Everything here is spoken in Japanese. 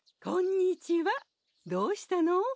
こんにちはどうしたの？